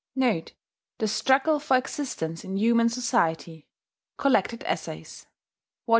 "* [*The Struggle for Existence in Human Society. "Collected Essays," Vol.